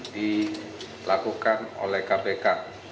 dilakukan oleh kpk